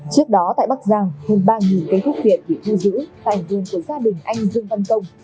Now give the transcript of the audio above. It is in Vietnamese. trước đó tại bắc giang hơn ba cây thuốc việt bị thu giữ tại hành vườn của gia đình anh dương văn công